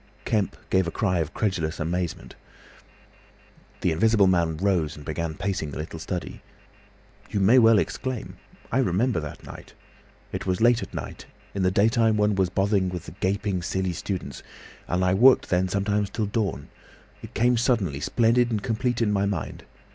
Kemp gave a cry of incredulous amazement. The Invisible Man rose and began pacing the little study. "You may well exclaim. I remember that night. It was late at night—in the daytime one was bothered with the gaping, silly students—and I worked then sometimes till dawn. It came suddenly, splendid and complete in my mind.